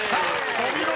お見事！］